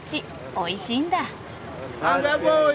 おいしいんだ。